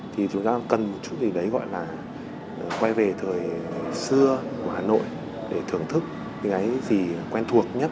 thì chúng ta cần một chút gì đấy gọi là quay về thời xưa của hà nội để thưởng thức cái gì quen thuộc nhất